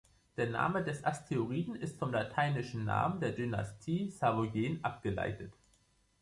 Der Name des Asteroiden ist vom lateinischen Namen der Dynastie Savoyen abgeleitet.